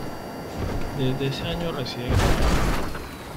Desde ese año reside en España.